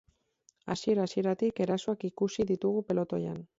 Hasiera-hasieratik, erasoak ikusi ditugu pelotoian.